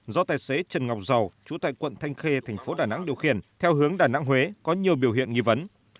do tài xế trần ngọc dầu chú tại quận thanh khê thành phố đà nẵng điều khiển theo hướng đà nẵng huế có nhiều biểu hiện nghi vấn